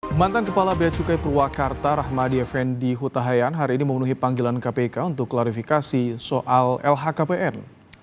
mantan kepala beacukai purwakarta rahmadi effendi hutahayan hari ini memenuhi panggilan kpk untuk klarifikasi soal lhkpn